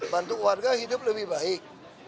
bantu warga hidup lebih baik